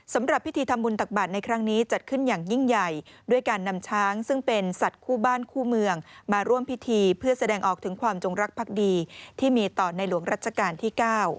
สำหรับพิธีทำบุญตักบาทในครั้งนี้จัดขึ้นอย่างยิ่งใหญ่ด้วยการนำช้างซึ่งเป็นสัตว์คู่บ้านคู่เมืองมาร่วมพิธีเพื่อแสดงออกถึงความจงรักภักดีที่มีต่อในหลวงรัชกาลที่๙